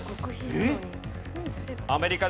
えっ！？